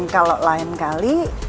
kalau lain kali